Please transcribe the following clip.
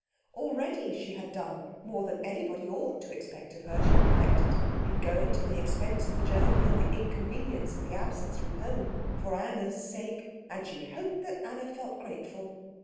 Already she had done more than anybody ought to expect of her, she reflected, in going to the expense of the journey and the inconvenience of the absence from home for Anna's sake, and she hoped that Anna felt grateful.